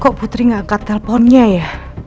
kok putri gak angkat telponnya ya